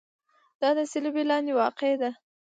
دا د صلبیې لاندې واقع ده.